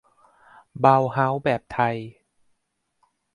เบาเฮาส์แบบไทย